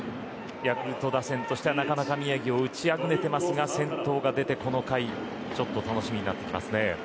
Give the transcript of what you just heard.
ヤクルト打線としてはなかなか宮城を打ちあぐねてますが先頭が出て、この回ちょっと楽しみになってきますね。